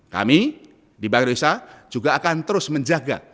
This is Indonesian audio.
kami di bank indonesia juga akan terus menjaga